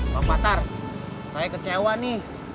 bang matar saya kecewa nih